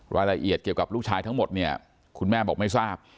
รายละเอียดเกี่ยวกับลูกชายทั้งหมดเนี่ยคุณแม่บอกไม่ทราบ